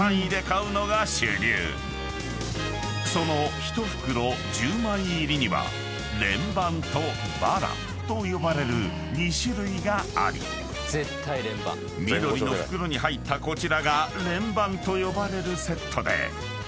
［その１袋１０枚入りには連番とバラと呼ばれる２種類があり緑の袋に入ったこちらが連番と呼ばれるセットで］